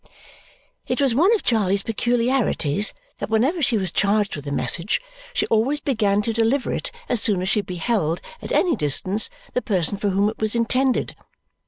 It was one of Charley's peculiarities that whenever she was charged with a message she always began to deliver it as soon as she beheld, at any distance, the person for whom it was intended.